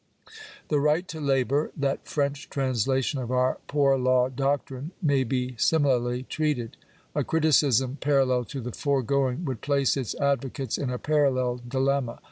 The right to labour — that French translation of our poor law doctrine — may be similarly treated. A criticism parallel to the foregoing would place its advocates in a parallel dilemma.